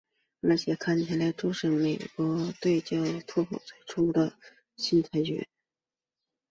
而且看起来主审是被美国队教练所说服才做出新判决的。